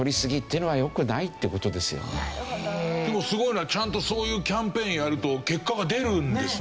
やっぱりねでもすごいのはちゃんとそういうキャンペーンやると結果が出るんですね。